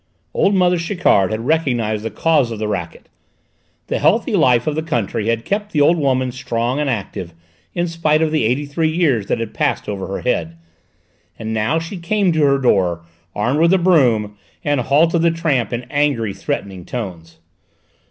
Old mother Chiquard had recognised the cause of the racket. The healthy life of the country had kept the old woman strong and active in spite of the eighty three years that had passed over her head, and now she came to her door, armed with a broom, and hailed the tramp in angry, threatening tones.